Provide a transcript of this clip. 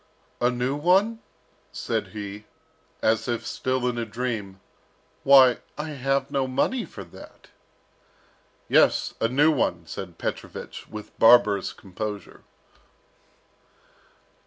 "A new one?" said he, as if still in a dream. "Why, I have no money for that." "Yes, a new one," said Petrovich, with barbarous composure.